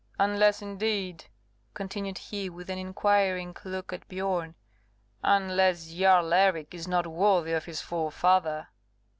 Unless, indeed," continued he with an inquiring look at Biorn, "unless Jarl Eric is not worthy of his forefather?"